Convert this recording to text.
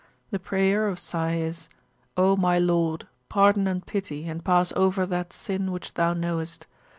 The prayer of Sai is, O my Lord, Pardon and Pity, and pass over that (Sin) which Thou knowest.